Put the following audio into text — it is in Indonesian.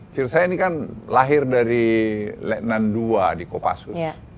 ciri saya ini kan lahir dari letenan dua di kopassus